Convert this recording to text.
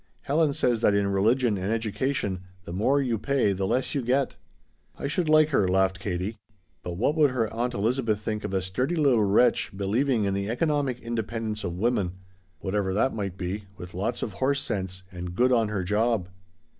"Helen says that in religion and education the more you pay the less you get." "I should like her," laughed Katie. But what would her Aunt Elizabeth think of a "sturdy little wretch," believing in the economic independence of woman whatever that might be with lots of horse sense, and good on her job!